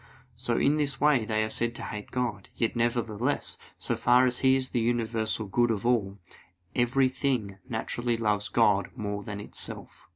So in this way they are said to hate God; yet nevertheless, so far as He is the universal good of all, every thing naturally loves God more than itself.